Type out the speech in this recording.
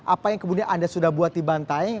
apa yang kemudian anda sudah buat di bantaing